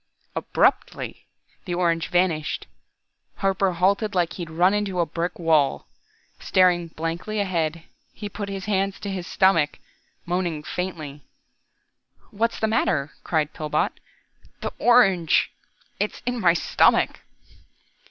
Abruptly, the orange vanished. Harper halted like he'd run into a brick wall. Staring blankly ahead, he put his hands to his stomach, moaning faintly. "What's the matter?" cried Pillbot. "The orange it's in my stomach!"